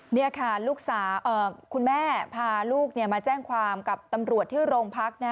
นี่ค่ะลูกสาวคุณแม่พาลูกมาแจ้งความกับตำรวจที่โรงพัก